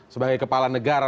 sebagai kepala negara